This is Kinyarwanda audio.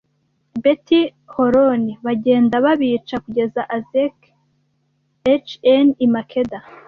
Beti Horoni bagenda babica kugeza Azeka h n i Makeda